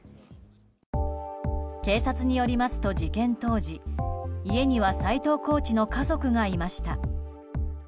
警察によりますと事件当時家には斎藤コーチの家族がいました。